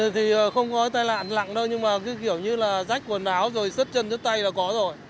giờ không có tai nạn lặng đâu nhưng mà cứ kiểu như là rách quần áo rồi sứt chân sứt tay là có rồi